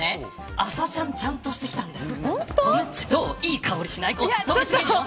今日も朝シャンちゃんとしてきたんだよ。